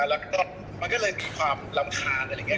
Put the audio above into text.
แล้วก็มันก็เลยมีความรำคาญอะไรอย่างนี้